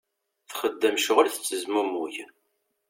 Txeddem ccɣel tettezmumug.